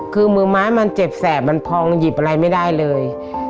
คือมือไม้มันเจ็บแสบมันพองหยิบอะไรไม่ได้เลย